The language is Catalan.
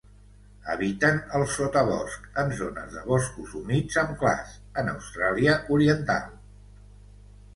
Habiten al sotabosc, en zones de boscos humits amb clars, en Austràlia oriental.